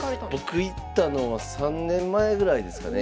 僕行ったのは３年前ぐらいですかね。